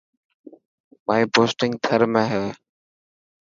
مائي پوسٽنگ ٿر ۾ هي.